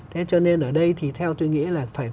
thế cho nên ở đây thì theo tôi nghĩ là phải